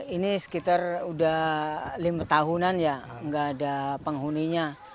ini sekitar udah lima tahunan ya nggak ada penghuninya